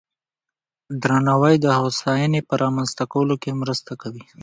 درناوی د هوساینې په رامنځته کولو کې مرسته کوي.